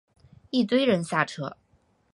一堆人下车